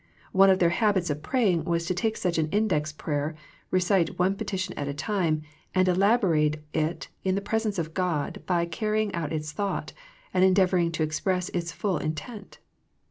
One of their habits of praying was to take such an index prayer, recite one petition at a time, and elabo rate it in the presence of God by carrying out its thought ; and endeavouring to express its full in tent.